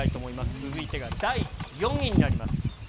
続いてが第４位になります。